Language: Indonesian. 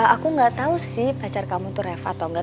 aku nggak tahu sih pacar kamu tuh reva atau enggak